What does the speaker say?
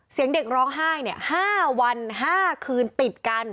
เสียงเด็กร้องไห้๕วัน๕คืนติดกัน